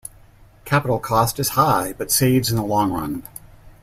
Capital cost is high, but saves in the long run.